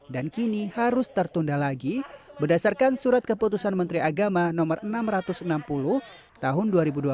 dan kini harus tertunda lagi berdasarkan surat keputusan menteri agama no enam ratus enam puluh tahun dua ribu dua puluh satu